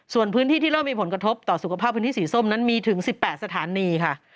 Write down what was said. ส่วนพื้นที่ที่เริ่มมีผลกระทบต่อสุขภาพพื้นที่สีส้มนั้นมีถึง๑๘สถานีค่ะ